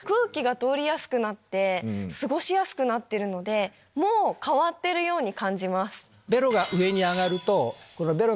過ごしやすくなってるのでもう変わってるように感じます。